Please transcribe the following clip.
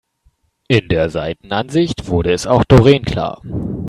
In der Seitenansicht wurde es auch Doreen klar.